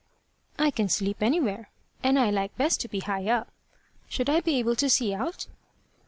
"I can sleep anywhere, and I like best to be high up. Should I be able to see out?"